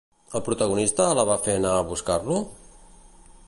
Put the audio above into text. El protagonista la va fer anar a buscar-lo?